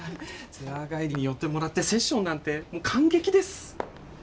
ツアー帰りに寄ってもらってセッションなんて感激です。